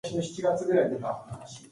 The bronze monument is tall.